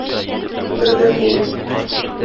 Бердәм булыйк!